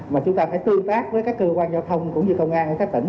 mà chúng ta phải tương tác với các cơ quan giao thông cũng như công an các tỉnh